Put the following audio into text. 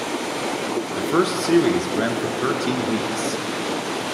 The first series ran for thirteen weeks.